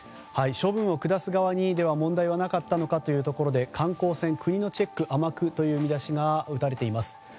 処分を下す側に、では問題はなかったということですが観光船、国のチェック甘くという見出しが打たれています。